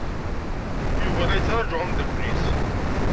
Yuba la yettṛaju ameddakel-is.